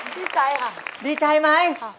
ดีใจดีใจไหม